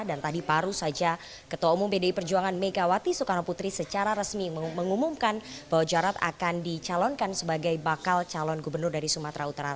dan tadi baru saja ketua umum bdi perjuangan megawati soekarno putri secara resmi mengumumkan bahwa jarod akan dicalonkan sebagai bakal calon gubernur dari sumatera utara